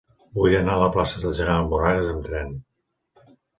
Vull anar a la plaça del General Moragues amb tren.